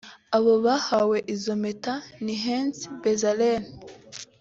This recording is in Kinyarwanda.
Abo bahawe izo mpeta ni Hezi Bezalel